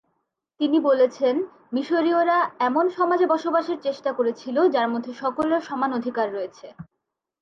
তিনি বলেছেন মিশরীয়রা এমন সমাজে বসবাসের চেষ্টা করেছিল যার মধ্যে সকলের সমান অধিকার রয়েছে।